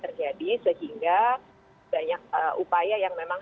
terjadi sehingga banyak upaya yang memang